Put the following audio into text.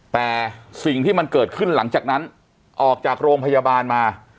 แต่สิ่งที่มันเกิดขึ้นหลังจากนั้นออกจากโรงพยาบาลมา